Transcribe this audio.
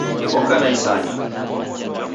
Oka na isanya.